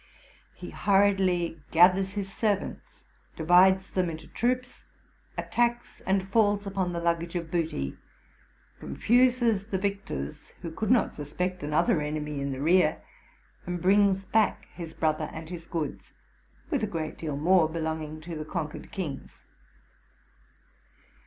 He hur riedly gathers his servants, divides them into troops, attacks and falls upon the luggage of booty, confuses the victors, who could not suspect another enemy in the rear, and brings back his brother and his goods, with a great deal more be longing to the conquered kings.